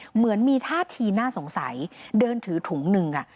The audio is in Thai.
เหมือนมีท่าทีน่าสงสัยเดินถือถุงหนึ่ง